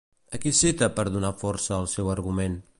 A qui cita per donar força al seu argument?